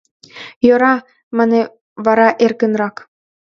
— Йӧра, — мане вара эркынрак.